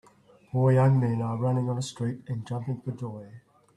Four young men are running on a street and jumping for joy.